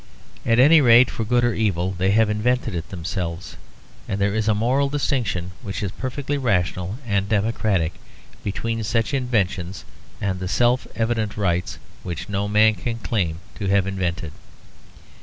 At any rate, for good or evil, they have invented it themselves. And there is a moral distinction, which is perfectly rational and democratic, between such inventions and the self evident rights which no man can claim to have invented.